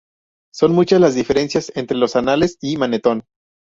Son muchas las diferencias entre los "Anales" y Manetón.